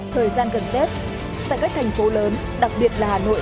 thời gian gần tết tại các thành phố lớn đặc biệt là hà nội